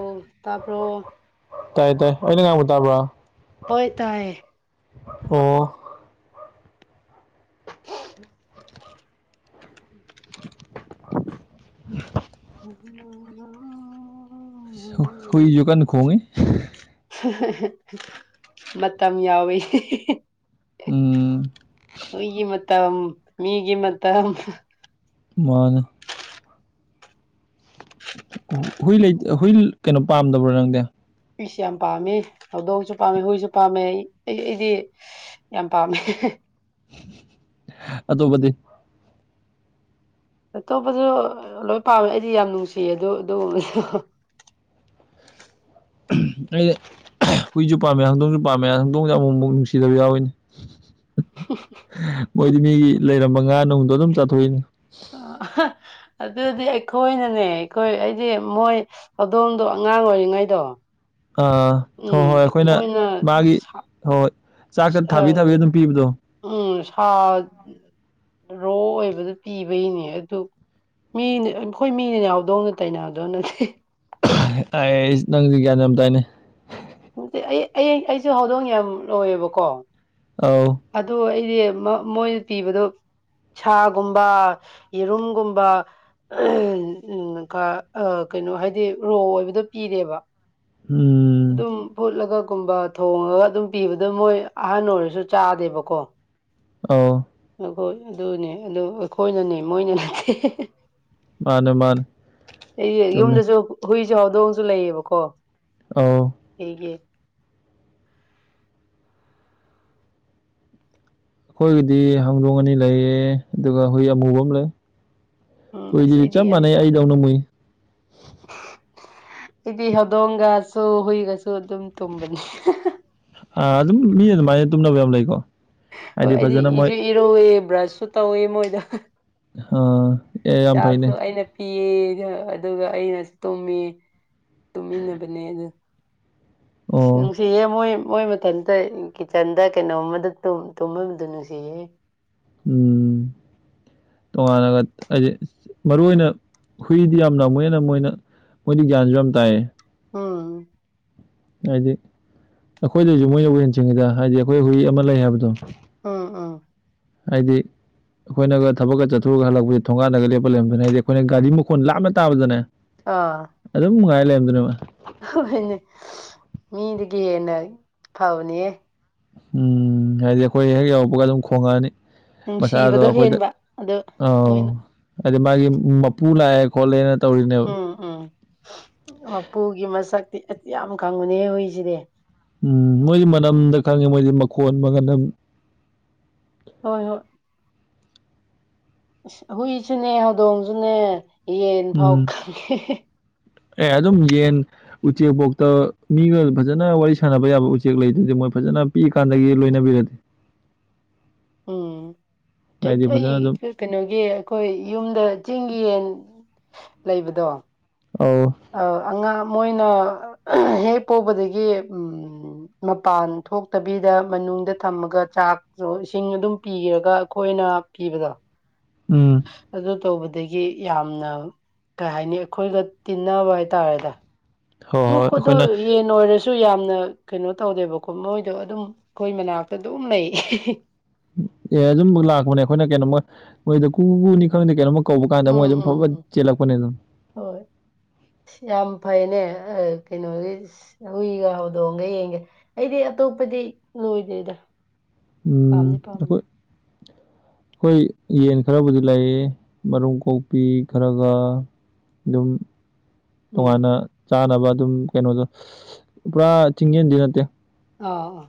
ꯑꯣ ꯇꯄꯣ ꯇꯥꯏ ꯇꯥꯏ ꯑꯩꯅ ꯉꯥꯡꯕꯨ ꯇꯥꯕ꯭ꯔ ꯍꯣꯏ ꯇꯥꯏꯌꯦ ꯑꯣ [inaudible] [inaudible] ꯎ ꯍꯣꯏꯁꯨ ꯀꯅ ꯈꯣꯒꯦ ꯃꯇꯝ ꯌꯥꯎꯋꯦ ꯎꯝ ꯑꯩꯒꯤ ꯃꯇꯝ ꯃꯤꯒꯤ ꯃꯇꯝ ꯃꯥꯅ ꯍꯨꯏ ꯂꯩ ꯍꯨꯏ ꯀꯩꯅꯣ ꯄꯥꯝꯗꯕ꯭ꯔꯣ ꯅꯪꯗꯤ ꯑꯩꯁꯨ ꯌꯥꯝ ꯄꯥꯝꯃꯤ ꯍꯧꯗꯣꯡꯁꯨ ꯄꯥꯝꯃꯤ ꯍꯨꯏꯁꯨ ꯄꯥꯝꯃꯦ ꯑꯩ ꯑꯩ ꯑꯩꯗꯤ ꯌꯥꯝ ꯄꯥꯝꯃꯦ ꯑꯇꯣꯞꯄꯗꯤ ꯑꯇꯣꯞꯄꯁꯨ ꯂꯣꯏ ꯄꯥꯝꯃꯦ ꯑꯩꯗꯤ ꯌꯥꯝ ꯅꯨꯡꯁꯤꯌꯦ ꯑꯗꯨ ꯑꯗꯨꯒꯨꯝꯕꯗ ꯎ ꯑꯩ ꯍꯨꯏꯁꯨ ꯄꯥꯝꯃꯦ ꯍꯧꯪꯗꯣꯡꯁꯨ ꯄꯥꯝꯃꯦ ꯍꯧꯪꯗꯣꯡꯁꯨꯦ ꯑꯃꯨꯛ ꯑꯃꯨꯛ ꯅꯨꯡꯁꯤꯗꯕ ꯌꯥꯎꯋꯤꯅꯦ [inaudible] ꯃꯣꯏꯗꯤ ꯃꯤꯒꯤ ꯂꯩꯔꯝꯕ ꯉꯥ ꯅꯨꯡꯗꯣ ꯑꯗꯨꯝ ꯆꯥꯊꯣꯛꯏꯅꯤ ꯑꯗꯨꯗꯤ ꯑꯩꯈꯣꯏꯅꯅꯦ ꯑꯩꯈꯣꯏ ꯑꯩꯗꯤ ꯃꯣꯏ ꯍꯧꯗꯣꯡꯗꯣ ꯑꯉꯥꯡ ꯑꯣꯏꯔꯤꯉꯩ ꯅꯨꯡꯉꯥꯏꯗ ꯑꯥ ꯍꯣꯏ ꯍꯣꯏ ꯑꯩꯈꯣꯏꯅ ꯃꯥꯒꯤ ꯁꯥ ꯍꯣꯏ ꯍꯣꯏ ꯆꯥꯛꯀ ꯊꯥꯕꯤ ꯊꯥꯕꯤ ꯑꯗꯨꯝ ꯄꯤꯕꯗꯣ ꯊꯥ ꯔꯣ ꯑꯣꯏꯕꯗ ꯄꯤꯕꯩꯅꯦ ꯑꯗꯨ ꯃꯤꯅꯤ ꯑꯩꯈꯣꯏ ꯃꯤꯅꯤ ꯌꯥꯎꯗꯧꯅ ꯇꯩꯅꯅꯥꯗꯧ ꯅꯠꯇꯦ ꯑꯩ ꯑꯩ ꯅꯪꯁ ꯒ꯭ꯌꯥꯟ ꯌꯥꯝꯝꯇꯥꯏꯅꯦ ꯑꯩ ꯑꯩ ꯑꯩꯁꯨ ꯍꯧꯗꯣꯡ ꯌꯥꯝ ꯂꯣꯏꯌꯦꯕꯀꯣ ꯑꯧ ꯑ ꯑꯩꯗꯤ ꯃꯣꯏꯅ ꯇꯤꯕꯗꯣ ꯁꯥꯒꯨꯝꯕ ꯌꯦꯔꯨꯝꯒꯨꯝꯕ ꯎ ꯀꯩꯅꯣ ꯍꯥꯏꯗꯤ ꯔꯣ ꯑꯣꯏꯕꯗ ꯄꯤꯔꯦꯕ ꯎꯝ ꯑꯗꯨꯝ ꯐꯣꯠꯂꯒ ꯨꯝꯕ ꯊꯣꯡꯉꯒ ꯑꯗꯨꯝ ꯄꯤꯕꯗ ꯃꯣꯏ ꯑꯍꯟ ꯑꯣꯏꯔꯁꯨ ꯆꯥꯗꯦꯕꯀꯣ ꯑ ꯈꯣꯏ ꯑꯗꯨꯅꯦ ꯑꯗꯨ ꯑꯩꯈꯣꯏꯅꯅꯦ ꯃꯣꯏꯅ ꯅꯠꯇꯦ ꯃꯥꯅꯦ ꯃꯥꯅꯦ ꯑꯩ ꯆꯨꯝꯃꯦ ꯌꯨꯝꯗꯁꯨ ꯍꯨꯏꯁꯨ ꯍꯥꯎꯗꯣꯡꯁꯨ ꯂꯩꯌꯦꯕꯀꯣ ꯑꯧ ꯍꯒꯤ ꯑꯩꯈꯣꯏꯒꯤꯗꯤ ꯍꯥꯡꯗꯣꯡ ꯑꯅꯤ ꯂꯩꯌꯦ ꯑꯗꯨꯒ ꯍꯨꯏ ꯑꯃꯨꯕ ꯑꯃ ꯂꯩ ꯎꯝ ꯑꯁ ꯍꯣꯏꯗꯤꯔꯤꯠ ꯑꯩꯗꯤ ꯆꯆꯥ ꯌꯥꯝ ꯃꯅꯦ ꯄꯥꯝ ꯑꯩꯗꯧꯅ ꯃꯨꯏ ꯍꯥꯏꯗꯤ ꯍꯧꯗꯣꯡꯒꯁꯨ ꯍꯨꯏꯒꯁꯨ ꯑꯗꯨꯝ ꯇꯨꯝꯕꯅꯤ ꯑ ꯑꯗꯨꯝ ꯃꯤ ꯑꯗꯨꯃꯥꯏꯅ ꯇꯨꯝꯅꯕ ꯌꯥꯝ ꯂꯩꯀꯣ ꯍꯣꯏ ꯍꯥꯏꯗꯤ ꯑꯩꯗꯤ ꯐꯖꯅ ꯃꯣꯏ ꯏꯁꯨ ꯏꯔꯨꯋꯦ ꯕ꯭ꯔꯁꯁꯨ ꯇꯧꯋꯦ ꯃꯣꯏꯗ ꯍꯥꯥ ꯆꯥꯁꯨ ꯑꯩꯅ ꯄꯤ ꯄꯒ ꯑꯗꯨꯒ ꯑꯩꯅꯁꯨ ꯇꯨꯝꯃꯦ ꯇꯨꯝꯃꯤꯟꯅꯕꯅꯦ ꯑꯗꯨ ꯑꯣ ꯁꯤ ꯃꯣꯏ ꯃꯣꯏ ꯃꯊꯟꯇ ꯀꯤꯠꯆꯟꯗ ꯀꯩꯅꯣꯝꯃꯗ ꯇꯨꯝꯃꯕꯗꯨ ꯅꯨꯡꯁꯤꯍꯦ ꯎꯝ ꯇꯣꯉꯥꯟꯅꯒ ꯍꯥꯏꯗꯤ ꯃꯔꯨ ꯑꯣꯏꯅ ꯍꯨꯏꯗꯤ ꯌꯥꯝ ꯅꯝꯃꯦꯅ ꯃꯣꯏꯅ ꯃꯣꯏꯗꯥꯟꯖꯝ ꯇꯥꯏ ꯑꯝ ꯍꯥꯏꯗꯤ ꯑꯩꯈꯣꯏꯗꯁꯨ ꯃꯣꯏꯅ ꯍꯨꯟꯁꯤꯡꯉꯤꯗ ꯍꯥꯏꯗꯤ ꯑꯩꯈꯣꯏ ꯍꯨꯏ ꯑꯃ ꯂꯩ ꯍꯥꯏꯕꯗꯣ ꯎꯝ ꯎꯝ ꯍꯥꯏꯗꯤ ꯑꯩꯈꯣꯏꯅꯒ ꯊꯕꯛꯀ ꯆꯠꯊꯣꯛꯨꯔꯒ ꯍꯜꯂꯛꯄꯁ ꯊꯣꯡꯒꯥꯟꯗꯒ ꯂꯦꯞꯄ ꯂꯩꯔꯝꯗꯅ ꯍꯥꯏꯗꯤ ꯑꯩꯈꯣꯏꯅ ꯒꯥꯔꯤ ꯃꯈꯣꯟ ꯂꯥꯞꯅ ꯇꯥꯕꯗꯅꯦ ꯑꯥ ꯑꯗꯨꯝ ꯉꯥꯏ ꯂꯩꯔꯝꯗꯨꯅꯦꯕ ꯍꯣꯏꯅꯦ ꯃꯤꯗꯒꯤ ꯍꯦꯟꯅ ꯐꯕꯅꯤꯍ ꯎꯝ ꯍꯥꯏꯗꯤ ꯑꯩꯈꯣꯏ ꯍꯦꯛ ꯌꯎꯔꯛꯄꯒ ꯑꯗꯨꯝ ꯈꯣꯡꯉꯛꯑꯅꯤ ꯃꯁꯥꯏ ꯑꯗ ꯅꯨꯡꯁꯤꯕꯗꯣ ꯑꯩꯈꯣꯏꯗ ꯍꯦꯟꯕ ꯑꯗꯣ ꯑꯥꯎ ꯃꯣꯏꯅ ꯍꯥꯏꯗꯤ ꯃꯥꯒꯤ ꯃꯄꯨ ꯂꯥꯛꯑꯦ ꯈꯣꯠꯂꯦꯅ ꯇꯧꯔꯤꯅꯦꯕ ꯎꯝ ꯎꯝ ꯃꯄꯨꯒꯤ ꯃꯁꯛꯇꯤ ꯌꯥꯝ ꯈꯪꯉꯅꯦꯍ ꯍꯨꯏꯁꯤꯗꯤ ꯎꯝ ꯃꯣꯏꯗꯤ ꯃꯅꯝꯗ ꯈꯪꯉꯤ ꯃꯣꯏꯗꯤ ꯃꯈꯣꯟ ꯃꯒꯟ ꯑꯗꯨ ꯍꯣꯏ ꯍꯣꯏ ꯍꯨꯏꯁꯨꯅꯦ ꯍꯧꯗꯣꯡꯁꯨꯅꯦ ꯌꯦꯟ ꯐꯥꯎ ꯎꯝ ꯈꯪꯉꯦ ꯑꯦ ꯑꯗꯨꯝ ꯌꯦꯟ ꯎꯆꯦꯛꯐꯣꯛꯇ ꯃꯤꯒ ꯐꯖꯅ ꯋꯥꯔꯤ ꯁꯥꯟꯅꯕ ꯌꯥꯕ ꯎꯆꯦꯛ ꯂꯩꯗꯨꯗꯤ ꯃꯣꯏ ꯐꯖꯅ ꯄꯤꯛꯑ ꯀꯥꯟꯗꯒꯤ ꯂꯣꯏꯅꯕꯤꯔꯗꯤ ꯎꯝ ꯍꯥꯏꯗꯤ ꯐꯖꯅ ꯑꯗꯨꯝ ꯑꯩ ꯀꯩꯅꯣꯒꯤ ꯑꯩꯈꯣꯏ ꯌꯨꯝꯗ ꯆꯤꯡꯒꯤ ꯟ ꯂꯩꯕꯗꯣ ꯑꯧ ꯑ ꯑꯉ ꯃꯣꯏꯅ ꯍꯦꯛ ꯄꯧꯕꯗꯒꯤ ꯃꯄꯥꯟ ꯊꯣꯛꯇꯕꯤꯗ ꯊꯝꯃꯒ ꯆꯥꯛꯁꯨꯣ ꯏꯁꯤꯡ ꯑꯗꯨꯝ ꯄꯤꯔꯒ ꯑꯩꯈꯣꯏꯅ ꯄꯤꯕꯗꯣ ꯎꯝ ꯑꯗꯨꯗꯣ ꯇꯧꯕ ꯑꯗꯒꯤ ꯌꯥꯝꯅ ꯀꯩ ꯍꯥꯏꯅꯤ ꯑꯩꯈꯣꯏꯒ ꯇꯤꯟꯅꯕ ꯍꯥꯏꯇꯥꯔꯦꯗ ꯍꯣꯏ ꯍ ꯍꯣꯏ ꯀꯗꯣ ꯑꯩꯈꯣꯏꯅ ꯌꯦ ꯅ ꯑꯣꯁ ꯁꯨ ꯌꯥꯝꯅ ꯀꯩꯅꯣ ꯇꯧꯗꯦꯕꯀꯣ ꯃꯣꯏꯗꯣ ꯑꯗꯨꯝ ꯑꯩꯈꯣꯏ ꯃꯅꯥꯛꯇ ꯑꯗꯨꯝ ꯂꯩ ꯑꯦ ꯑꯗꯨꯨꯝ ꯂꯥꯛꯄꯅꯦ ꯑꯩꯈꯣꯏꯅ ꯀꯩꯅꯣꯝꯃ ꯃꯣꯏꯗ ꯀꯨ ꯀꯨꯅꯤ ꯈꯪꯗꯦ ꯀꯩꯅꯣꯝ ꯎꯝ ꯎꯝ ꯎꯝ ꯍꯣꯏ ꯌꯥꯝ ꯐꯩꯅꯦ ꯀꯩꯅꯣꯒꯤ ꯍꯨꯏꯒ ꯍꯧꯗꯣꯡꯒ ꯌꯦꯡꯒꯦ ꯑꯩꯗꯤ ꯑꯇꯣꯞꯄꯗꯤ ꯂꯣꯏꯗꯦꯗ ꯑꯩꯈꯣꯏ ꯑꯩꯈꯣꯏ ꯌꯦꯟ ꯈꯔꯕꯨꯗꯤ ꯂꯩꯌꯦ ꯃꯔꯨꯝ ꯀꯣꯛꯄꯤ ꯈꯔꯒ ꯑꯗꯨꯝ ꯎꯝ ꯇꯣꯉꯥꯟꯅ ꯆꯥꯅꯕ ꯑꯗꯨꯝ ꯀꯩꯅꯣꯗꯣ ꯄꯨꯔꯥ ꯊꯤꯡꯖꯤꯟꯗꯤ ꯅꯠꯇꯦ ꯑꯥ ꯑ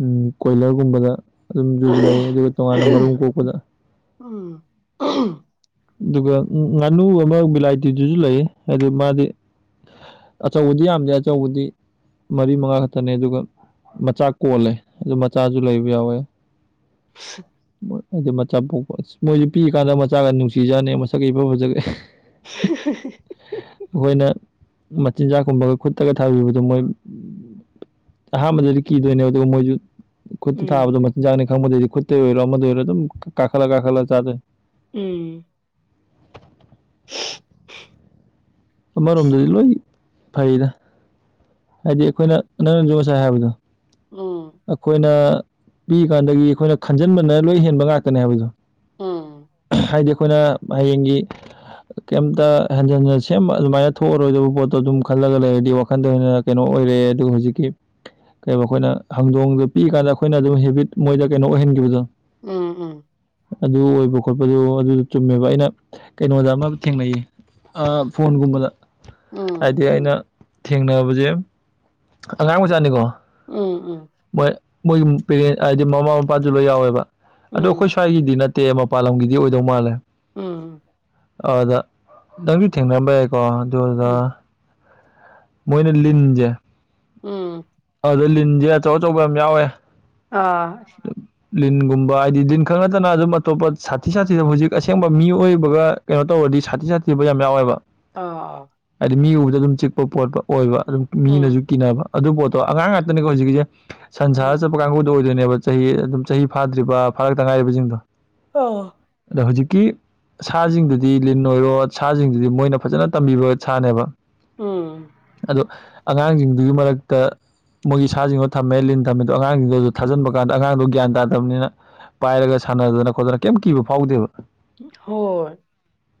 ꯎꯝ ꯀꯣꯏꯂꯔꯒꯨꯝꯕꯗ ꯑꯗꯨꯝꯗꯨ ꯂꯩ ꯑꯥ ꯑꯗꯨꯒ ꯇꯣꯉꯥꯟꯅ ꯃꯔꯨꯝ ꯀꯣꯛꯄꯗ ꯎꯝ [inaudible] [unintelligible] ꯑꯗꯨꯒ ꯉꯥꯅꯨ ꯑꯃ ꯚꯦꯂꯥꯏꯇꯤꯗꯨꯁꯨ ꯂꯩ ꯍꯥꯏꯗꯤ ꯃꯥꯗꯤ ꯑꯆꯧꯕꯗꯤ ꯌꯥꯝꯗꯦ ꯑꯆꯧꯕꯗꯤ ꯃꯔꯤ ꯃꯉꯥ ꯈꯛꯇꯅꯦ ꯑꯗꯨꯒ ꯃꯆꯥ ꯀꯣꯜꯂꯦ ꯑꯗꯨ ꯃꯆꯥꯁꯨ ꯂꯩꯕ ꯌꯥꯎꯋꯦ [unintelligible] [inaudible] ꯍꯥꯏꯗꯤ ꯃꯆꯥ ꯄꯣꯛꯄ ꯑꯁ ꯃꯣꯏꯁꯦ ꯄꯤ ꯀꯥꯟꯗ ꯃꯆꯥꯒ ꯅꯨꯡꯁꯤꯖꯅ ꯃꯁꯛꯒꯤ ꯏꯐ ꯐꯖꯒꯦ [unintelligible] [inaudible] ꯃꯆꯤꯟꯖꯥꯛ ꯀꯨꯝꯕꯒ ꯈꯨꯠꯇꯒ ꯊꯥꯕꯤꯕꯗꯣ ꯃꯣꯏ ꯑꯍꯥꯟꯕꯗꯗꯤ ꯀꯤꯗꯣꯏꯅꯦ ꯑꯗꯨꯒ ꯃꯣꯏꯁꯨ ꯈꯨꯠꯇ ꯊꯥꯕꯗꯣ ꯃꯆꯤꯟꯖꯥꯛꯅꯤ ꯈꯪꯕꯗꯩꯗꯤ ꯈꯨꯠꯇ ꯑꯣꯏꯔꯣ ꯑꯃꯗ ꯑꯣꯏꯔꯣ ꯑꯗꯨꯝ ꯀꯥꯈꯠꯂ ꯀꯥꯈꯠꯂ ꯆꯥꯗꯦ ꯎꯝ [inaudible] [unintelligible] ꯑꯃꯔꯣꯝꯗꯗꯤ ꯂꯣꯏ ꯐꯔꯤꯗ ꯍꯥꯏꯗꯤ ꯑꯩꯈꯣꯏꯅ ꯅꯪꯅꯁꯨ ꯉꯁꯥꯏ ꯍꯥꯏꯕꯗꯣ ꯎꯝ ꯎꯝ ꯑꯩꯈꯣꯏꯅ ꯄꯤ ꯀꯥꯟꯗꯒꯤ ꯑꯩꯈꯣꯏꯅ ꯈꯟꯖꯟꯕꯅ ꯂꯣꯏ ꯍꯦꯟꯕ ꯉꯥꯛꯇꯅꯦ ꯍꯥꯏꯕꯗꯣ ꯍ [unintelligible] [inaudible] ꯍꯥꯏꯗꯤ ꯑꯩꯈꯣꯏꯅ ꯍꯌꯦꯡꯒꯤ ꯀꯩꯝꯇ ꯍꯟꯖꯟꯖꯁꯤ ꯁꯦꯝꯕ ꯑꯗꯨꯃꯥꯏꯅ ꯊꯣꯛꯑꯔꯣꯏꯗꯕ ꯄꯣꯠꯇꯣ ꯑꯗꯨꯝ ꯈꯜꯂꯒ ꯂꯩꯔꯗꯤ ꯋꯥꯈꯟꯗ ꯍꯦꯟꯅ ꯀꯩꯅꯣ ꯑꯣꯏꯔꯛꯑꯦ ꯑꯗꯨꯒ ꯍꯧꯖꯤꯛꯀꯤ ꯀꯩꯣ ꯑꯩꯈꯣꯏꯅ ꯍꯪꯗꯣꯡꯗꯣ ꯄꯤꯛꯑꯀꯥꯟꯗ ꯑꯩꯈꯣꯏꯅ ꯑꯗꯨꯝ ꯍꯦꯕꯤꯠ ꯃꯣꯏꯗ ꯀꯩꯅꯣ ꯑꯣꯏꯍꯟꯈꯤꯕꯗꯣ ꯎꯝ ꯎꯝ ꯑꯗꯨ ꯑꯣꯏꯕ ꯈꯣꯠꯄꯗꯣ ꯑꯗꯨꯗꯣ ꯆꯨꯝꯃꯦꯕ ꯑꯩꯅ ꯀꯩꯅꯣꯗ ꯑꯃ ꯊꯦꯡꯅꯩꯌꯦ ꯐꯣꯟꯒꯨꯝꯕꯗ ꯍꯥꯏꯗꯤ ꯎꯝ ꯑꯩꯅ ꯊꯦꯡꯅꯕꯁꯦ ꯑꯉꯥꯡ ꯃꯆꯥꯅꯤꯀꯣ ꯎꯝ ꯎꯝ [inaudible] ꯃꯣꯏ ꯃꯣꯏꯒꯤ ꯄꯦꯔꯦꯟ ꯍꯥꯏꯗꯤ ꯃꯃꯥ ꯃꯄꯥꯁꯨ ꯂꯣꯏ ꯌꯥꯎꯋꯦꯕ ꯑꯗꯣ ꯎꯝ ꯑꯩꯈꯣꯏ ꯁ꯭ꯋꯥꯏꯒꯤꯗꯤ ꯅꯠꯇꯦ ꯇꯦ ꯃꯄꯥꯟ ꯂꯝꯒꯤꯗꯤ ꯑꯣꯏꯗꯧ ꯃꯥꯜꯂꯦ ꯎꯝꯝ [unintelligible] [inaudible] ꯑꯗ ꯅꯪꯁꯨ ꯊꯦꯡꯅꯔꯝꯕ ꯌꯥꯏꯀꯣ ꯑꯗꯨ ꯑꯗꯨꯗ ꯎꯝ ꯃꯣꯏꯅꯦ ꯂꯤꯟꯖꯦ ꯎꯝ [inaudible] ꯑꯗꯣ ꯂꯤꯟꯁꯦ ꯑꯆꯧ ꯑꯆꯧꯕ ꯌꯥꯝ ꯌꯥꯎꯋꯦ ꯑꯥ [unintelligible] [inaudible] ꯂꯤꯟꯒꯨꯝꯕ ꯍꯥꯏꯗꯤ ꯂꯤꯟ ꯈꯛ ꯅꯠꯇꯅ ꯑꯗꯨꯝ ꯑꯇꯣꯞꯄ ꯁꯥꯊꯤ ꯁꯥꯊꯤꯗ ꯍꯧꯖꯤꯛ ꯑꯁꯦꯡꯕ ꯃꯤ ꯑꯣꯏꯕꯒ ꯀꯩꯅꯣ ꯇꯧ ꯑꯣꯏꯗꯤ ꯁꯥꯊꯤ ꯁꯥꯇꯤꯕ ꯌꯥꯝ ꯌꯥꯎꯋꯦꯕ ꯑꯥ ꯑꯥ [inaudible] ꯍꯥꯏꯗꯤ ꯃꯤ ꯎꯕꯗ ꯑꯗꯨꯝ ꯆꯤꯛꯄ ꯄꯣꯠꯄ ꯑꯣꯏꯕ ꯑꯗꯨꯝ ꯎꯝ ꯃꯤꯅꯁꯨ ꯎꯝ ꯀꯤꯅꯕ ꯑꯗꯨ ꯄꯣꯠꯇꯣ ꯑꯉꯥꯡ ꯉꯥꯛꯇꯅꯦꯀꯣ ꯍꯧꯖꯤꯛꯀꯤꯁꯦ ꯁꯟꯁꯥꯔ ꯆꯠꯄ ꯀꯥꯡꯕꯨꯗꯨꯣ ꯑꯣꯏꯗꯣꯏꯅꯦꯕ ꯆꯍꯤ ꯑꯗꯨꯝ ꯆꯍꯤ ꯐꯥꯗ꯭ꯔꯤꯕ ꯐꯥꯔꯛꯇ ꯉꯥꯏꯔꯤꯕꯁꯤꯡꯗꯣ ꯑ [unintelligible] [inaudible] ꯑꯗꯣ ꯍꯧꯖꯤꯛꯀꯤ ꯁꯥꯁꯤꯡꯗꯨꯗꯤ ꯂꯤꯟ ꯑꯣꯏꯔꯣ ꯁꯥꯁꯤꯡꯗꯨꯗꯤ ꯃꯣꯏꯅ ꯐꯖꯅ ꯇꯝꯕꯤꯕ ꯁꯥꯅꯦꯕ ꯎꯝ [inaudible] ꯑꯗꯣ [unintelligible] ꯑꯉꯥꯡꯁꯤꯡꯗꯨꯒꯤ ꯃꯔꯛꯇ ꯃꯣꯏꯒꯤ ꯁꯥꯁꯤꯡꯗꯣ ꯊꯝꯃꯦ ꯂꯤꯟ ꯊꯝꯃꯦꯗꯣ ꯑꯉꯥꯡꯁꯤꯡꯗꯨꯁꯨ ꯊꯥꯖꯤꯟꯕ ꯀꯥꯟꯗ ꯑꯉꯥꯡꯗꯣ ꯒ꯭ꯌꯥꯟ ꯇꯥꯗꯕꯅꯤꯅ ꯄꯥꯏꯔꯒ ꯁꯥꯟꯅꯗꯅ ꯈꯣꯠꯇꯅ ꯀꯩꯝ ꯀꯤꯕ ꯐꯥꯎꯗꯦꯕ ꯍꯣꯏ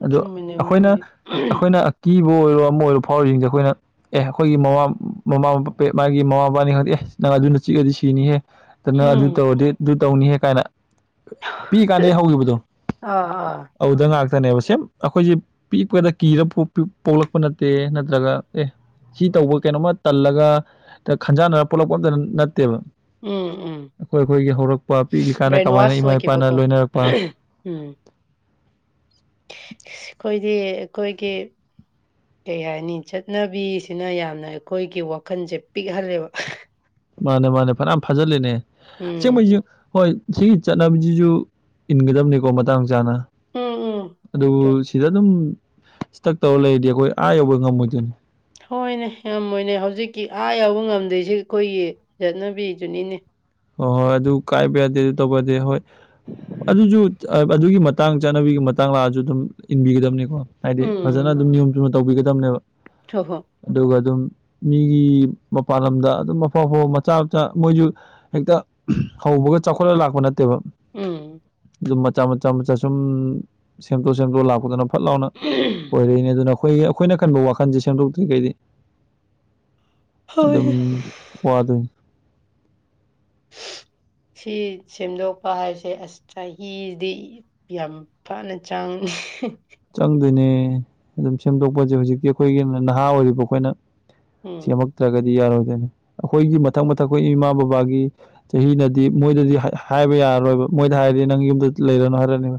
ꯑꯣ ꯆꯨꯝꯃꯤꯅꯦ ꯑꯩꯈꯣꯏꯅ ꯃꯣꯏꯗꯤ ꯑꯩꯈꯣꯏꯅꯀꯤ ꯕꯨ ꯑꯣꯏꯔꯣ ꯑꯃ ꯑꯣꯏꯔꯣ ꯐꯥꯎꯔꯤꯁꯤꯡꯁꯦ ꯑꯩꯈꯣꯏꯅ ꯑꯦ ꯑꯩꯈꯣꯏꯒꯤ ꯃꯃꯥ ꯃꯃꯥ ꯃ ꯦ ꯃꯥꯒꯤ ꯃꯃꯥ ꯃꯄꯥꯅꯤ ꯈꯪꯗꯦ ꯑꯦ ꯅꯪ ꯑꯗꯨꯅ ꯆꯤꯛꯑꯗꯤ ꯁꯤꯅꯤꯍꯦ ꯑꯗ ꯅꯪ ꯑꯗꯨ ꯎꯝ ꯇꯧꯔꯗꯤ ꯑꯗꯨ ꯇꯧꯅꯤꯍꯦ ꯀꯥꯏꯅ ꯄꯤ ꯀꯥꯟꯗ ꯑꯩ ꯍꯧꯈꯤꯕꯗꯣ ꯑꯥ ꯑꯥ ꯑꯗꯨꯗ ꯉꯥꯏꯥꯛꯇ ꯈꯛꯇꯅꯦꯕ ꯁꯦꯝ ꯑꯩꯈꯣꯏꯁꯦ ꯄꯤꯛꯄꯗ ꯀꯤꯔ ꯄꯣꯛꯂꯛꯄ ꯅꯠꯇꯦ ꯅꯠꯇ꯭ꯔꯒ ꯑꯦ ꯁꯤ ꯇꯧꯕ ꯀꯩꯅꯣꯝꯃ ꯇꯜꯂꯒ ꯈꯟꯖꯥꯟꯅꯔ ꯄꯨꯂꯛꯄ ꯑꯝꯇ ꯅꯠꯇꯦꯕ ꯎꯝ ꯎꯝ [unintelligible] [inaudible] ꯑꯩꯈꯣꯏ ꯑꯩꯈꯣꯏꯒꯤ ꯍꯧꯔꯛꯄ ꯄꯤꯛꯂꯤꯀꯥꯟꯗ ꯕ꯭ꯔꯦꯟ ꯀꯃꯥꯏꯅ ꯋꯥꯁ ꯏꯃꯥ ꯏꯄꯥꯅ ꯑꯣꯏꯈꯤꯕꯀꯣ ꯂꯣꯏꯅꯔꯛꯄ ꯎꯝ ꯑꯩꯈꯣꯏꯗꯤ ꯑꯩꯈꯣꯏꯒꯤ ꯀꯩ ꯍꯥꯏꯅꯤ ꯆꯠꯅꯕꯤꯁꯤꯅ ꯌꯥꯝꯅ ꯑꯩꯈꯣꯏꯒꯤ ꯋꯥꯈꯜꯁꯦ ꯄꯤꯛꯍꯜꯂꯦꯕ ꯃꯥꯅꯦ ꯃꯥꯅꯦ ꯐꯅ ꯌꯥꯝ ꯐꯖꯂꯦꯅꯦ ꯆ ꯎꯝ ꯃꯩꯁꯨ ꯍꯣꯏ ꯁꯤꯒꯤ ꯆꯠꯅꯕꯤꯁꯤꯁꯨ ꯏꯟꯒꯗꯝꯕꯅꯤꯀꯣ ꯃꯇꯥꯡ ꯆꯥꯅ ꯎꯝ ꯎꯝ ꯑꯗꯨ ꯆꯨꯝ. ꯁꯤꯗ ꯑꯗꯨꯝ ꯁꯤ ꯇꯛ ꯇꯧꯔ ꯂꯩꯔꯗꯤ ꯑꯩꯈꯣꯏ ꯑꯥ ꯌꯧꯕꯩ ꯉꯝꯃꯣꯏꯗꯣꯏꯅꯤ ꯍꯣꯏꯅꯦ ꯌꯥꯝꯃꯣꯏꯅꯦ ꯍꯧꯖꯤꯛꯀꯤ ꯑꯥ ꯌꯥꯎꯕ ꯉꯝꯗꯣꯏꯁꯤꯦ ꯑꯩꯈꯣꯏꯒꯤ ꯆꯠꯅꯕꯤꯗꯨꯨꯅꯤꯅꯦ ꯍꯣꯏ ꯍꯣꯏ ꯑꯗꯨ ꯀꯥꯏꯕ ꯌꯥꯗꯦ ꯑꯗꯨ ꯇꯧꯕ ꯌꯥꯗꯦ ꯍꯣꯏ ꯑꯗꯨꯁꯨ ꯑꯗꯨꯒꯤ ꯃꯇꯥꯡ ꯆꯠꯅꯕꯤꯒꯤ ꯃꯇꯥꯡ ꯂꯥꯛꯑꯁꯨ ꯑꯗꯨꯝ ꯏꯟꯕꯤꯒꯗꯕꯅꯤꯀꯣ ꯍꯥꯏꯗꯤ ꯐꯖꯅ ꯎꯝ ꯑꯗꯨꯝ ꯅꯤꯌꯣꯝ ꯆꯨꯝꯅ ꯇꯧꯕꯤꯒꯗꯕꯅꯦꯕ ꯍꯣ ꯍꯣ ꯑꯗꯨꯒ ꯑꯗꯨꯝ ꯃꯤꯒꯤ ꯃꯄꯥꯟ ꯂꯝꯗ ꯑꯗꯨꯝ ꯑꯐꯥꯎ ꯑꯐꯥꯎ ꯃꯆꯥ ꯃꯆꯥ ꯃꯣꯏꯁꯨ ꯍꯦꯛꯇ ꯍꯧꯕꯒ ꯆꯥꯎꯈꯠꯂ ꯂꯥꯛꯄ ꯅꯠꯇꯦꯕ ꯎꯝ ꯑꯗꯨꯝ ꯃꯆꯥ ꯃꯆꯥ ꯃꯆꯥ ꯁꯨꯝ ꯁꯦꯝꯗꯣꯛ ꯁꯦꯝꯗꯣꯛ ꯂꯥꯛꯄꯗꯨꯅ ꯐꯠ ꯂꯥꯎꯅ ꯑꯣꯏꯔꯛꯏꯅꯦ ꯑꯗꯨꯅ ꯑꯩꯈꯣꯏ ꯑꯩꯈꯣꯏꯅ ꯀꯟꯕ ꯋꯥꯈꯟꯁꯦ ꯁꯦꯝꯗꯣꯛꯇ꯭ꯔꯤ ꯀꯩꯗꯤ ꯑꯗꯨ ꯑꯗꯨꯝ ꯍꯣꯏ ꯋꯥꯗ ꯁꯤ ꯁꯦꯝꯗꯣꯛꯄ ꯍꯥꯏꯕꯁꯦ ꯑꯁ ꯆꯍꯤꯗꯤ ꯌꯥꯝ ꯐꯅ ꯆꯥꯡ [inaudible] ꯆꯪꯗꯣꯏꯅꯦ ꯑꯗꯨꯝ ꯁꯦꯝꯗꯣꯛꯄꯁꯦ ꯍꯧꯖꯤꯛꯇꯤ ꯑꯩꯈꯣꯏꯒꯤ ꯅꯍꯥ ꯑꯣꯏꯔꯤꯕ ꯑꯩꯈꯣꯏꯅ ꯎꯝ ꯁꯦꯝꯃꯛꯇ꯭ꯔꯒꯗꯤ ꯌꯥꯔꯣꯏꯗꯣꯏꯅꯦ ꯑꯩꯈꯣꯏꯒꯤ ꯃꯊꯛ ꯃꯊꯛ ꯑꯩꯈꯣꯏ ꯏꯃꯥ ꯕꯕꯥꯒꯤ ꯆꯍꯤꯅꯗꯤ ꯃꯣꯏꯗꯗꯤ ꯍꯥꯏꯕ ꯌꯥꯔꯔꯣꯏꯕ ꯃꯣꯏꯗ ꯍꯥꯏꯔꯗꯤ ꯅꯪ ꯌꯨꯝꯗ ꯂꯩꯔꯅꯨ ꯍꯥꯏꯔꯅꯦꯕ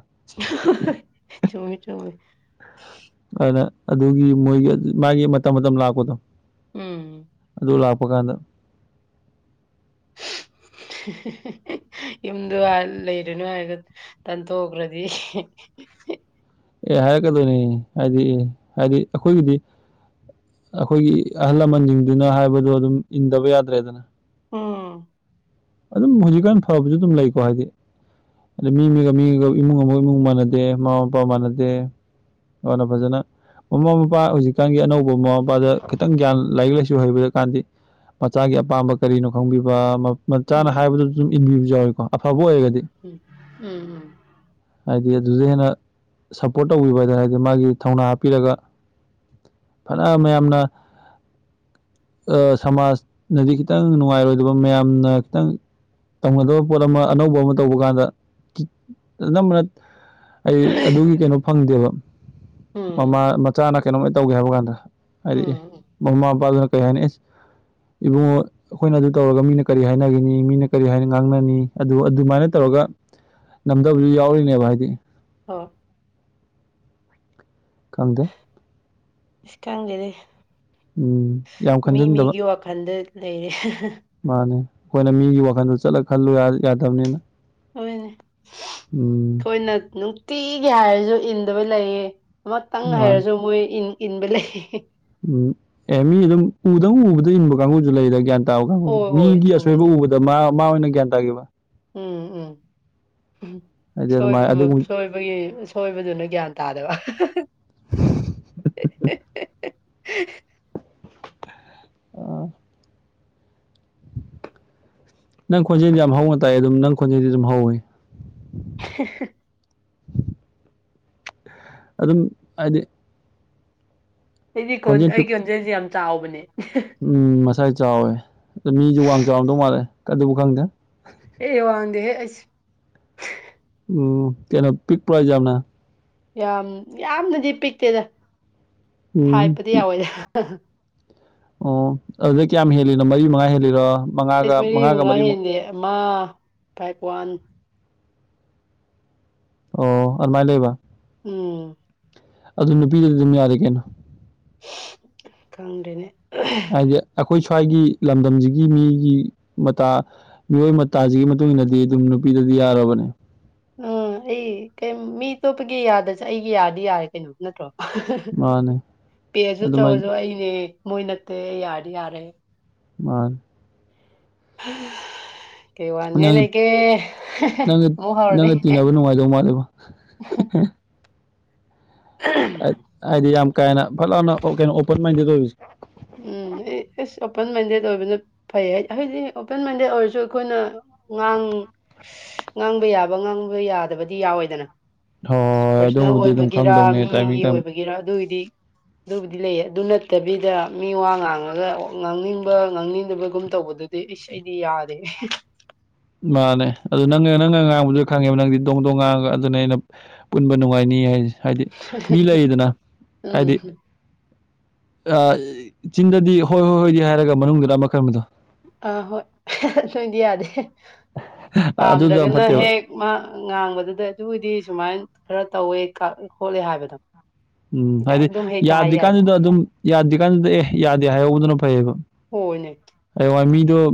ꯆꯨꯝꯃꯤ ꯆꯨꯝꯃꯤ ꯑꯗꯨꯒꯤ ꯃꯣꯏꯒꯤ ꯃꯥꯒꯤ ꯃꯇꯝ ꯃꯇꯝ ꯂꯥꯛꯄꯗꯣ ꯎꯝ ꯑꯗꯨ ꯂꯥꯛꯄ ꯀꯥꯟꯗ ꯌꯨꯝꯗ ꯂꯩꯔꯅꯨ ꯍꯥꯏꯔꯒ ꯇꯥꯟꯊꯣꯛꯈ꯭ꯔꯗꯤ [inaudible] ꯑꯦ ꯍꯥꯏꯔꯛꯀꯗꯣꯏꯅꯦ ꯍꯥꯏꯗꯤ ꯍꯥꯏꯗꯤ ꯑꯩꯈꯣꯏꯒꯤꯗꯤ ꯑꯩꯈꯣꯏꯒꯤ ꯑꯍꯜ ꯂꯃꯟꯁꯤꯡꯗꯨꯅ ꯍꯥꯏꯕꯗꯣ ꯑꯗꯨꯝ ꯏꯟꯗꯕ ꯌꯥꯗ꯭ꯔꯦꯗꯅ ꯑꯣꯝ ꯑꯗꯨꯝ ꯍꯧꯖꯤꯛꯀꯥꯟ ꯐꯕꯁꯨ ꯑꯗꯨꯝ ꯂꯩꯀꯣ ꯍꯥꯏꯗꯤ ꯑꯗ ꯃꯤ ꯑꯃꯒ ꯃꯤꯒ ꯏꯃꯨꯡ ꯑꯃꯒ ꯏꯃꯨꯡ ꯃꯥꯟꯅꯗꯦ ꯃꯃꯥ ꯃꯄꯥ ꯃꯥꯟꯅꯗꯦ ꯋꯥꯅ ꯐꯖꯅ ꯃꯃꯥ ꯃꯄꯥ ꯍꯧꯖꯤꯛꯀꯥꯟꯒꯤ ꯑꯅꯧꯕ ꯃꯃꯥ ꯃꯄꯥꯗ ꯈꯤꯇꯪ ꯒ꯭ꯌꯥꯟ ꯂꯥꯏꯔꯤꯛ ꯂꯥꯏꯁꯨ ꯍꯩꯕꯗ ꯀꯥꯟꯗꯤ ꯃꯆꯥꯒꯤ ꯑꯄꯥꯝꯕ ꯀꯔꯤꯅꯣ ꯈꯪꯕꯤꯕ ꯃꯆꯥꯅ ꯎꯝ ꯍꯥꯏꯕꯗꯨꯁꯨ ꯑꯗꯨꯝ ꯏꯟꯕꯤꯕꯁꯨ ꯌꯥꯎꯋꯀꯣ ꯑꯐꯕ ꯑꯣꯏꯔꯒꯗꯤ ꯎꯝ ꯎꯝ ꯎꯝ ꯍꯥꯏꯗꯤ ꯑꯗꯨꯗ ꯍꯦꯟꯅ ꯁꯞꯄꯣꯔꯠ ꯇꯧꯕꯤꯕ ꯍꯥꯏꯗꯅ ꯍꯥꯏꯗꯤ ꯃꯥꯒꯤ ꯊꯧꯅꯥ ꯍꯥꯞꯄꯤꯔꯒ ꯐꯅ ꯃꯌꯥꯝꯅ ꯁꯃꯥꯖꯅꯗꯤ ꯈꯤꯇꯪ ꯅꯨꯡꯉꯥꯏꯔꯣꯏꯗꯕ ꯃꯌꯥꯝꯅ ꯈꯤꯇꯪ ꯇꯧꯒꯗꯕ ꯄꯣꯠ ꯑꯃ ꯑꯅꯧꯕ ꯑꯃ ꯇꯧꯕ ꯀꯥꯟꯗ ꯑꯝꯕꯅ ꯎꯝ ꯎꯝ ꯑꯩ ꯑꯗꯨꯒꯤ ꯀꯩꯅꯣ ꯐꯪꯗꯦꯕ ꯎꯝ ꯃꯃꯥ ꯃꯆꯥꯅ ꯀꯩꯅꯣꯝꯃꯥꯏ ꯇꯧꯒꯦ ꯍꯥꯏꯕ ꯀꯥꯟꯗ ꯍꯥꯏꯗꯤ ꯎꯝ ꯃꯃꯥ ꯃꯄꯥꯗꯨꯅ ꯀ ꯑꯁ ꯏꯕꯨꯡꯉꯣ ꯑꯩꯈꯣꯏꯅ ꯑꯗꯨ ꯇꯧꯔꯒ ꯃꯤꯅ ꯀꯔꯤ ꯍꯥꯏꯅꯈꯤꯅꯤ ꯃꯤꯅ ꯀꯔꯤ ꯍꯥꯏꯅ ꯉꯥꯡꯅꯅꯤ ꯑꯗꯨ ꯑꯗꯨꯃꯥꯏꯅ ꯇꯧꯔꯒ ꯉꯝꯗꯕꯁꯨ ꯌꯥꯎꯔꯤꯅꯦꯕ ꯍꯥꯏꯗꯤ [unintelligible] ꯀꯝꯗ ꯏꯁꯀꯪꯒꯦꯗꯤ ꯎꯝ ꯌꯥꯝ ꯃꯤ ꯈꯟꯖꯤꯟꯗꯕ ꯃꯤꯒꯤ ꯋꯥ ꯈꯟꯗ ꯂꯩꯔꯦ ꯃꯥꯅꯦ ꯑꯩꯈꯣꯏꯅ ꯃꯤꯒꯤ ꯋꯥꯈꯜꯗꯨ ꯆꯠꯂ ꯈꯜꯂꯨ ꯌꯥ-ꯌꯥꯗꯕꯅꯤꯅ ꯍꯅꯦ ꯑꯩꯈꯣꯏꯅ ꯅꯨꯡꯇꯤꯒꯤ ꯍꯥꯏꯔꯁꯨ ꯏꯟꯗꯕ ꯂꯩꯌꯦ ꯑꯃꯇꯪ ꯃꯥꯅꯦ ꯍꯥꯏꯔꯁꯨ ꯃꯣꯏ ꯏꯟ ꯏꯟꯕ ꯂꯩ ꯎꯝ ꯑꯦ ꯃꯤ ꯑꯗꯨꯝ ꯎꯗꯪ ꯎꯕꯗ ꯏꯟꯕ ꯀꯥꯡꯕꯨꯁꯨ ꯂꯩꯗ ꯒ꯭ꯌꯥꯟ ꯍꯣꯏ [unintelligible] ꯍꯣꯏ ꯃꯤꯒꯤ ꯑꯁꯣꯏꯕ ꯆꯨꯝꯃꯤꯅꯦ ꯎꯕꯗ ꯃꯥ-ꯃꯥ ꯑꯣꯏꯅ ꯒ꯭ꯌꯥꯟ ꯇꯥꯈꯤꯕ ꯎꯝ-ꯎꯝ ꯍꯨꯝ ꯍꯥꯏꯗꯤ ꯑꯗꯨꯃꯥꯏꯅ ꯁꯣꯏꯕꯕꯨ ꯑꯗꯨꯒꯨꯝ ꯁꯣꯏꯕꯒꯤ ꯁꯣꯏꯕꯗꯨꯗ ꯒ꯭ꯌꯥꯟ ꯇꯥꯗꯕ [inaudible] ꯅꯪ ꯈꯣꯟꯖꯦꯜꯗꯤ ꯌꯥꯝ ꯍꯧꯅ ꯇꯥꯏ ꯑꯗꯨꯝ ꯅꯪ ꯈꯣꯟꯖꯦꯜꯗꯤ ꯑꯗꯨꯝ ꯍꯧꯏ [inaudible] ꯑꯗꯨꯝ ꯍꯥꯏꯗꯤ ꯑꯩꯗꯤ ꯈꯣꯟ ꯈꯣꯟꯖꯦꯜ ꯄꯤꯛ ꯑꯩꯒꯤ ꯈꯣꯟꯖꯦꯜꯁꯦ ꯌꯥꯝ ꯆꯥꯎꯕꯅꯦ ꯎꯝ ꯃꯁꯥꯏ ꯆꯥꯎꯋꯦ ꯑꯗ ꯃꯤꯁꯨ ꯋꯥꯡ ꯆꯥꯎꯔꯝꯗꯧ ꯃꯥꯜꯂꯦ ꯑꯗꯨꯕꯨ ꯈꯪꯗꯦ ꯑꯦ ꯋꯥꯡꯗꯦꯍꯦ ꯑꯩꯁ ꯑꯣ ꯀꯩꯅꯣ ꯄꯤꯛꯄꯔꯣ ꯍꯥꯏꯁꯦ ꯌꯥꯝꯅ ꯌꯥꯝ ꯌꯥꯝꯅꯗꯤ ꯄꯤꯛꯇꯦꯗ ꯎꯝ ꯐꯥꯏꯠꯄꯨꯗꯤ ꯌꯥꯎꯋꯦꯗ [unintelligible] ꯑꯣ ꯑꯗꯨꯗ ꯀꯌꯥꯝ ꯍꯦꯜꯂꯤꯅꯣ ꯃꯔꯤ ꯃꯉꯥ ꯍꯦꯜꯂꯤꯔꯣ ꯑꯦꯁ ꯃꯉꯥꯒ ꯃꯔꯤ ꯃꯉꯥꯒ ꯃꯨꯉꯥ ꯃꯔꯤꯃꯨꯛ ꯍꯦꯟꯗꯦ ꯑꯃ ꯐꯥꯏ꯭ꯕ ꯋꯥꯟ ꯑꯣ ꯑꯗꯨꯃꯥꯏ ꯂꯩꯕ ꯎꯝ ꯑꯗꯨ ꯅꯨꯄꯤꯗꯨꯗꯤ ꯑꯗꯨꯝ ꯌꯥꯔꯦ ꯀꯩꯅꯣ ꯈꯪꯗꯦꯅꯦ ꯑꯩꯗꯤ ꯑꯩꯈꯣꯏ ꯁ꯭ꯋꯥꯏꯒꯤ ꯂꯝꯗꯝꯁꯤꯒꯤ ꯃꯤꯒꯤ ꯃꯇꯥ ꯃꯤꯑꯣꯏ ꯃꯇꯥꯁꯤꯒꯤ ꯃꯇꯨꯡ ꯏꯟꯅꯗꯤ ꯑꯗꯨꯝ ꯅꯨꯄꯤ ꯗꯗꯤ ꯌꯥꯔꯕꯅꯦ ꯑꯝ ꯑꯩ ꯀꯩ ꯃꯤ ꯑꯇꯣꯞꯄꯒꯤ ꯌꯥꯗꯁꯨ ꯑꯩꯒꯤ ꯌꯥꯗꯤ ꯌꯥꯔꯦ ꯀꯩꯅꯣ ꯅꯠꯇ꯭ꯔꯣ [unintelligible] ꯃꯥꯅꯦ ꯄꯦꯑꯁꯨ ꯑꯗꯨꯃꯥꯏ ꯆꯧꯔꯁꯨ ꯑꯩꯅꯦ ꯃꯣꯏ ꯅꯠꯇꯦ ꯑꯩ ꯌꯥꯔꯗꯤ ꯌꯥꯔꯦ ꯃꯥ [inaudible] ꯀꯩ ꯋꯥꯅꯤꯉꯥꯏ ꯅꯪꯒ ꯂꯩꯒꯦ ꯅꯪꯒ [unintelligible] ꯃꯨꯛ ꯍꯧꯔꯅꯤ ꯅꯪꯒ ꯇꯤꯟꯅꯕ ꯅꯨꯡꯉꯥꯏꯗꯧ ꯃꯥꯜꯂꯦꯕꯣ [inaudible] ꯑꯥꯏ-ꯑꯥꯏꯗꯤ ꯌꯥꯝ ꯀꯥꯍꯦꯟꯅ ꯐꯠ ꯂꯥꯎꯅ ꯑꫭ ꯀꯩꯅꫭ ꯑꯣꯄꯟ ꯃꯥꯏꯟꯗꯦꯗ ꯑꯣꯏꯕꯖꯦ ꯎꯝ ꯏ-ꯏꯁ ꯑꯣꯄꯟ ꯃꯥꯏꯟꯗꯦꯠ ꯑꯣꯏꯕꯅ ꯐꯩꯍꯦ ꯍꯥꯏꯗꯤ ꯑꯣꯄꯟ ꯃꯥꯏꯟꯗꯦꯗ ꯑꯣꯏꯔꯁꯨ ꯑꯈꯣꯏꯅ ꯉꯥꯡ ꯉꯥꯡꯕ ꯌꯥꯕ ꯉꯥꯡꯕ ꯌꯥꯗꯕꯗꯤ ꯌꯥꯎꯋꯦꯗꯅ ꯍꯣꯏ ꯄꯔꯁꯣꯅꯦꯜ ꯑꯗꯨꯕꯨꯗꯤ ꯑꯗꯨꯝ ꯑꯣꯏꯕꯒꯤꯔꯥ ꯈꯪꯗꯧꯅꯦ ꯃꯤꯒꯤ ꯇꯥꯏꯃꯤꯡ ꯇꯝ ꯑꯣꯏꯕꯒꯤꯔꯥ ꯑꯗꯨꯒꯤꯗꯤ ꯑꯗꯨꯕꯨꯗꯤ ꯂꯩꯌꯦ ꯑꯗꯨꯅꯠꯇꯕꯤꯗ ꯃꯤ ꯋꯥ ꯉꯥꯡꯉꯒ ꯉꯥꯡꯅꯤꯡꯕ ꯉꯥꯡꯅꯤꯡꯗꯕꯒꯨꯝ ꯇꯧꯕꯗꯨꯗꯤ ꯏꯁ ꯑꯩꯗꯤ ꯌꯥꯗꯦ ꯃꯥꯅꯦ ꯑꯗꯨ ꯅꯪꯅ ꯅꯪꯅ ꯉꯥꯡꯕꯁꯨ ꯈꯪꯉꯦꯕ ꯅꯪꯗꯤ ꯗꯣꯡ ꯗꯣꯡ ꯉꯥꯡꯉꯒ ꯑꯗꯨꯅ ꯑꯩꯅ ꯄꯨꯟꯕ ꯅꯨꯡꯉꯥꯏꯅꯤ ꯍꯥꯏꯁꯦ ꯍꯥꯏꯗꯤ ꯃꯤ ꯂꯩꯔꯤꯗꯅ ꯎꯝ ꯍꯥꯏꯗꯤ ꯑ-ꯆꯤꯟꯗꯗꯤ ꯍꯣꯏ-ꯍꯣꯏ ꯍꯣꯏꯗꯤ ꯍꯥꯏꯔꯒ ꯃꯅꯨꯡꯗꯗꯨꯗ ꯑꯃ ꯈꯔꯝꯕꯗꯣ ꯑ ꯍꯣꯏ [inaudible] ꯌꯥꯗꯦ ꯑꯗꯨꯗꯣ ꯌꯥꯝ ꯄꯥꯝꯗ꯭ꯔꯒꯅ ꯐꯠꯇꯦꯕ ꯍꯦꯛ ꯃꯥ ꯉꯥꯡꯕꯗꯨꯗ ꯑꯗꯨꯏꯗꯤ ꯁꯨꯃꯥꯏꯅ ꯈꯔ ꯇꯧꯋꯦ ꯀ-ꯈꯣꯠꯂꯦ ꯍꯥꯏꯕꯗꯣ ꯎꯝ ꯍꯥꯏꯗꯤ ꯑꯗꯨꯝ ꯍꯦꯛꯇ ꯍꯥꯏ ꯌꯥꯏꯅꯦ ꯌꯥꯗ꯭ꯔꯤꯀꯥꯟꯗꯨꯗ ꯑꯗꯨꯝ ꯌꯥꯗ꯭ꯔꯤꯀꯥꯟꯗꯨꯗ ꯑꯦ ꯌꯥꯗꯦ ꯍꯥꯏꯍꯧꯕꯗꯨꯅ ꯐꯩꯌꯦꯕ ꯍꯣꯏꯅꯦ ꯑꯩ ꯋꯥ ꯃꯤꯗꯣ